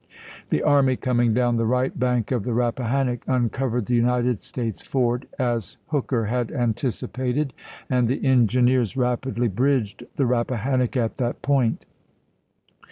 The army coming down the right bank of the Rappahannock uncovered the United States Ford, as Hooker had anticipated, and the engineers rapidly bridged the Rappahannock at that point.